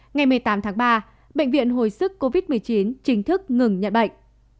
ngày một mươi tám tháng ba bệnh viện hồi sức covid một mươi chín chính thức ngừng nhận bệnh